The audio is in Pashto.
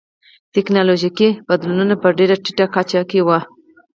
ټکنالوژیکي بدلونونه په ډېره ټیټه کچه کې و